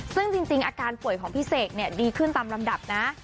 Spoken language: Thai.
ซึ่งจริงอาการป่วยของพี่เสกเนี่ยดีขึ้นตามลำดับนะ